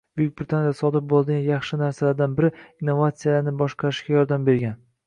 Buyuk Britaniyada sodir boʻladigan yaxshi narsalardan biri innovatsiyalarni boshqarishga yordam bergan